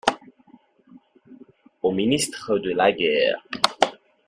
Au ministre de la guerre.